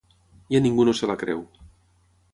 Ja ningú no se la creu.